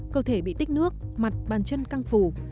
cơ thể bị tích nước mặt bàn chân căng phù